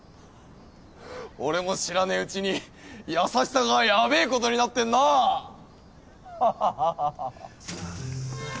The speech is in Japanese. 俺も知らねえうちに優しさがヤベえことになってんな！ハハハハハ！